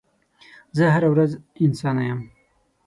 زه هره ورځ انسانه یم